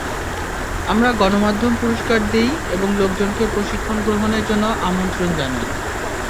আমরা গণমাধ্যম পুরস্কার দিই এবং লোকজনকে প্রশিক্ষণ গ্রহণের জন্য আমন্ত্রণ জানাই।